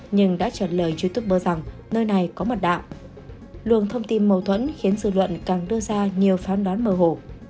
nhưng đã trả lời youtuber rằng nơi này có mật đạo luồng thông tin mâu thuẫn khiến dư luận càng đưa ra nhiều phán đoán mờ hổ